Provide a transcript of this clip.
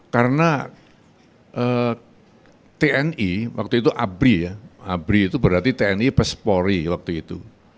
karena tni waktu itu abri abri itu berarti tni pespori waktu itu